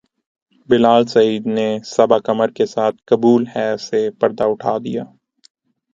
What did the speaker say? بلال سعید نے صبا قمر کے ساتھ قبول ہے سے پردہ اٹھا دیا